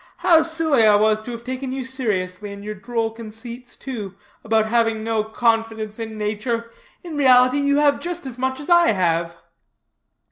How silly I was to have taken you seriously, in your droll conceits, too, about having no confidence in nature. In reality you have just as much as I have."